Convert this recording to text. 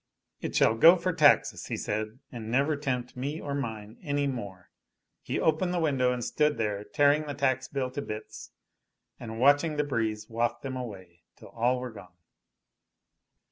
"It shall go for taxes," he said, "and never tempt me or mine any more!" He opened the window and stood there tearing the tax bill to bits and watching the breeze waft them away, till all were gone.